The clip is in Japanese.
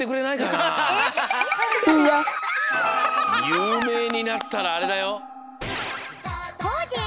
ゆうめいになったらあれだよ。